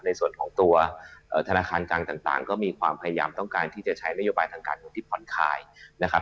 ในส่วนของตัวธนาคารกลางต่างก็มีความพยายามต้องการที่จะใช้นโยบายทางการเงินที่ผ่อนคลายนะครับ